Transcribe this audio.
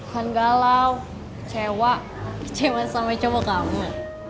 bukan galau kecewa kecewa sama cowok kamu